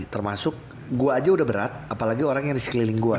termasuk gue aja udah berat apalagi orang yang di sekeliling gue